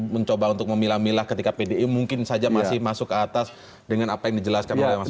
mencoba untuk memilah milah ketika pdi mungkin saja masih masuk ke atas dengan apa yang dijelaskan oleh mas